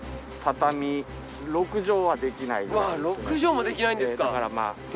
うわ６畳もできないんですか。